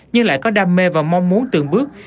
nhưng lại có đam mê và mong muốn từng bước